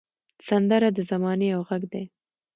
سندره د زمانې یو غږ دی